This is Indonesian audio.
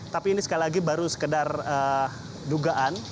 tapi ini sekali lagi baru sekedar dugaan